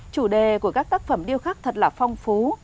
chủ đề của các tác phẩm điêu khắc thật là phong phú